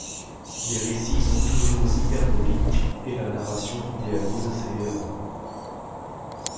Les récits sont toujours hyperboliques et la narration idéalise ses héros.